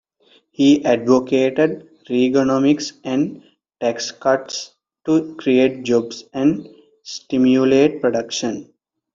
He advocated "Reaganomics" and tax cuts to create jobs and stimulate production.